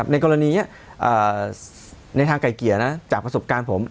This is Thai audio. ในกรณีนี้ในทางไก่เกลี่ยจากประสบการณ์ผม